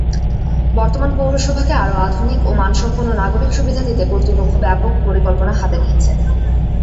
বর্তমান পৌরসভাকে আরো আধুনিক ও মানসম্পন্ন নাগরিক সুবিধা দিতে কর্তৃপক্ষ ব্যাপক পরিকল্পনা হাতে নিয়েছে।